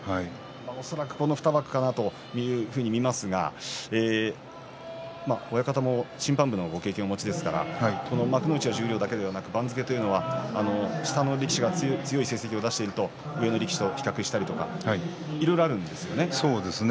恐らくこの２枠かなと見えますが親方も審判部のご経験もお持ちですから幕内、十両だけではなくて番付というのは下の力士が強い成績を出していると上の力士と比較したりとかいろいろあるんですよね。